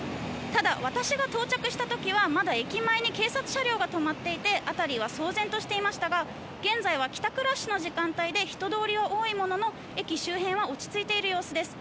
ただ、私が到着した時はまだ駅前に警察車両が止まっていて辺りは騒然としていましたが現在は帰宅ラッシュの時間帯で人通りは多いものの、駅周辺は落ち着いている様子です。